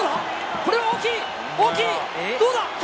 これはどうだ？